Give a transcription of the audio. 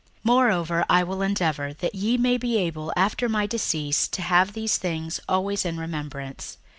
61:001:015 Moreover I will endeavour that ye may be able after my decease to have these things always in remembrance.